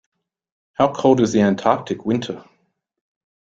How cold is the Antarctic winter?